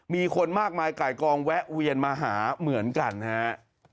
มีคนมากมายไก่กองแวะเวียนมาหาเหมือนกันฮะ